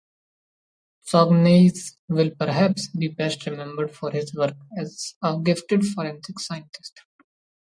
Sognnaes will perhaps be best remembered for his work as a gifted forensic scientist.